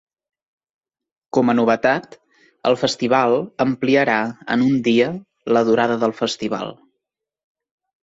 Com a novetat, el festival ampliarà en un dia la durada del festival.